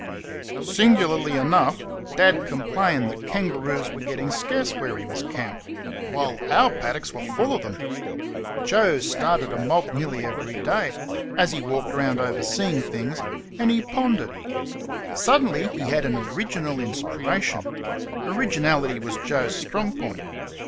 Singularly enough, Dad complained that kangaroos were getting scarce where he was camped; while our paddocks were full of them. Joe started a mob nearly every day, as he walked round overseeing things; and he pondered. Suddenly he had an original inspiration originality was Joe's strong point.